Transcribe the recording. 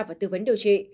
và tư vấn điều trị